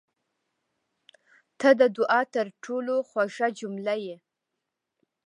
• ته د دعا تر ټولو خوږه جمله یې.